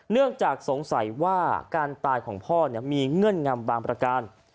เนื่องจากสงสัยว่าการตายของพ่อมีเงื่อนงำบางประการ